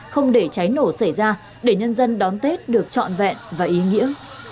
không để cháy nổ xảy ra để nhân dân đón tết được trọn vẹn và ý nghĩa